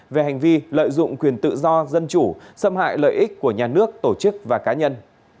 về hành vi lợi dụng quyền tự do dân chủ xâm hại lợi ích của nhà nước tổ chức và cá nhân